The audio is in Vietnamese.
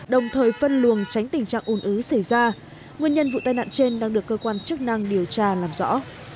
đồng thời phân luồng tránh tình trạng ủn ứ xảy ra nguyên nhân vụ tai nạn trên đang được cơ quan chức năng điều tra làm rõ